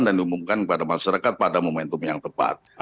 dan diumumkan kepada masyarakat pada momentum yang tepat